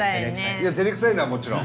いやてれくさいのはもちろん。